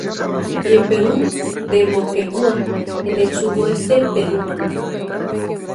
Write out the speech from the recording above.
Y en Perú, de Moquegua, en el suroeste peruano.